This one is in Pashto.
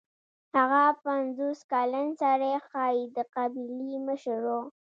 هغه پنځوس کلن سړی ښايي د قبیلې مشر و.